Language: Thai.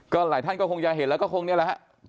ก็หลายท่านก็คงจะเห็นแล้วก็คงนี่แหละฮะ